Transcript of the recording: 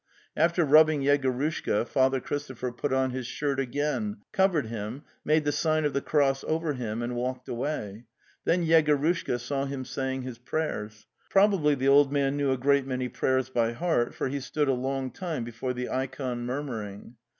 After rubbing Yegorushka, Father Christopher put on his shirt again, covered him, made the sign of the cross over him, and walked away. Then Yegorushka saw him saying his prayers. Probably the old man knew a great many prayers by heart, for he stood a long time before the ikon murmuring.